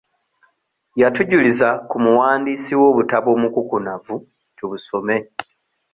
Yatujuliza ku muwandiisi w'obutabo omukukunavu tubusome.